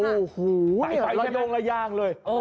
โอ้โหละยงละย่างเลย